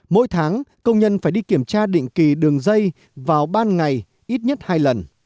mỗi tháng công nhân phải đi kiểm tra định kỳ đường dây vào ban ngày ít nhất hai lần